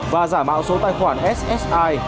và giả mạo số tài khoản ssi